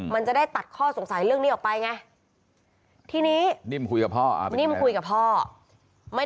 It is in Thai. มันจะได้ตัดข้อสงสัยเรื่องนี้ออกไปไง